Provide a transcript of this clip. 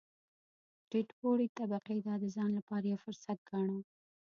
ټیټ پوړې طبقې دا د ځان لپاره یو فرصت ګاڼه.